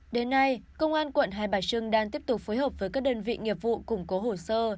đến nay công an quận hai bà trưng đang tiếp tục phối hợp với các đơn vị nghiệp vụ củng cố hồ sơ